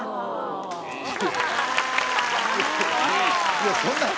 いやそんな